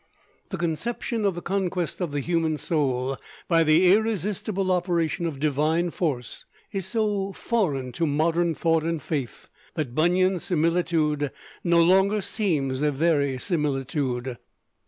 The conception of the conquest of the human soul by the irresistible operation of divine force is so foreign to modern thought and faith that Bunyan's similitude no longer seems a verisimilitude.